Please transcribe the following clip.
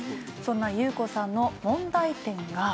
そんな祐子さんの問題点が。